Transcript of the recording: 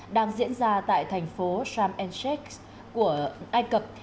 đang diễn ra tại thành phố sharm el sheikh của ai cập